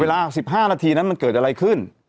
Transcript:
๑๕นาทีนั้นมันเกิดอะไรขึ้น